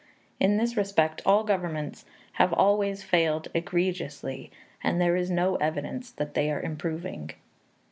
In this respect all governments have always failed egregiously, and there is no evidence that they are improving.